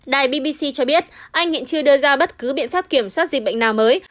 đài bbc cho biết anh hiện chưa đưa ra bất cứ biện pháp kiểm soát dịch bệnh nào mới